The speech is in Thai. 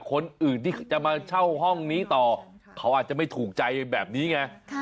คนอื่นที่จะมาเช่าห้องนี้ต่อเขาอาจจะไม่ถูกใจแบบนี้ไง